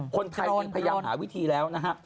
คนไทยจึงพยายามหาวิธีแล้วนะฮะ